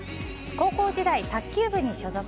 高校時代、卓球部に所属。